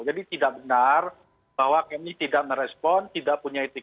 jadi tidak benar bahwa kami tidak merespon tidak punya ketika baik